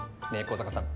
香坂さん